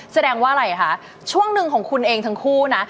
แสดงว่าอะไรคะช่วงหนึ่งของคุณเองทั้งคู่นะ